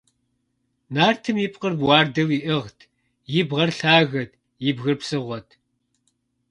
Нартым и пкъыр уардэу иӀыгът, и бгъэр лъагэт, и бгыр псыгъуэт.